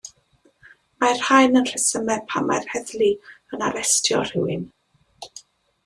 Mae'r rhain yn rhesymau pam mae'r heddlu yn arestio rhywun.